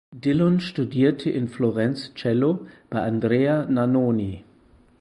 Dillon studierte in Florenz Cello bei Andrea Nannoni.